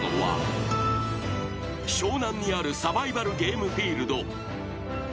［湘南にあるサバイバルゲームフィールド］